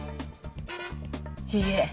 いいえ。